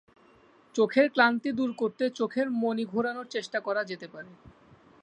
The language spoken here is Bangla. চোখের ক্লান্তি দূর করতে চোখের মণি ঘোরানোর চেষ্টা করা যেতে পারে।